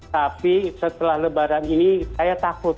tapi setelah lebaran ini saya takut